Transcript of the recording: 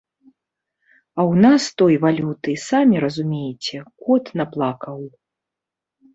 А ў нас той валюты, самі разумееце, кот наплакаў.